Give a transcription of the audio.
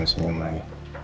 pak surya senyum lagi